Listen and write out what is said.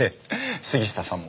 杉下さんも。